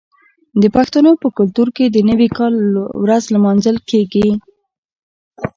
د پښتنو په کلتور کې د نوي کال ورځ لمانځل کیږي.